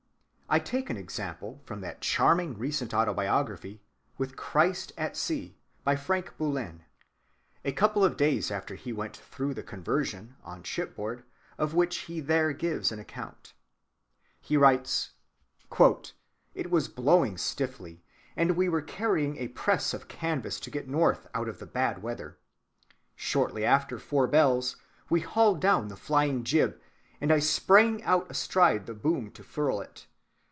I take an example from that charming recent autobiography, "With Christ at Sea," by Frank Bullen. A couple of days after he went through the conversion on shipboard of which he there gives an account,— "It was blowing stiffly," he writes, "and we were carrying a press of canvas to get north out of the bad weather. Shortly after four bells we hauled down the flying‐jib, and I sprang out astride the boom to furl it.